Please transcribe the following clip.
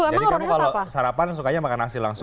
jadi kamu kalau sarapan sukanya makan nasi langsung